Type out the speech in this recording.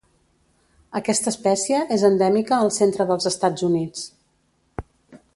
Aquesta espècie és endèmica al centre dels Estats Units.